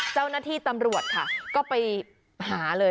เจ้าหน้าที่ตำรวจค่ะก็ไปหาเลย